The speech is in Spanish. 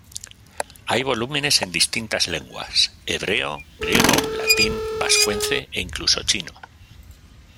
Hay volúmenes en distintas lenguas: hebreo, griego, latín, vascuence e incluso chino.